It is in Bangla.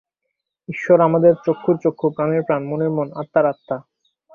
ঈশ্বর আমাদের চক্ষুর চক্ষু, প্রাণের প্রাণ, মনের মন, আত্মার আত্মা।